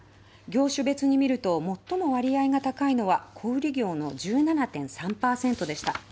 業種別にみると最も割合が高いのは小売業の１７．３％でした。